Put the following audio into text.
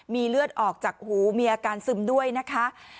มีเลือดออกจากหูมีอาการซึมด้วยนะคะ